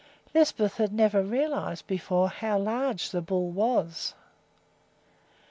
Lisbeth had never realized before how large the bull was.